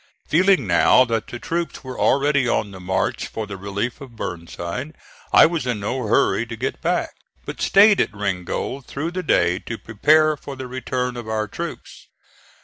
Feeling now that the troops were already on the march for the relief of Burnside I was in no hurry to get back, but stayed at Ringgold through the day to prepare for the return of our troops.